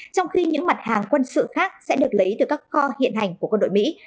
trong khi những mặt hàng quân sự khác sẽ được lấy từ các kho hiện hành của quân đội mỹ